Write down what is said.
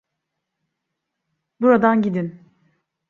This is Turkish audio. Buradan gidin.